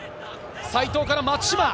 齋藤から松島。